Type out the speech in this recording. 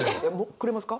くれますか？